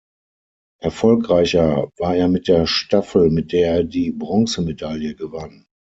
Erfolgreicher war er mit der Staffel, mit der er die Bronzemedaille gewann.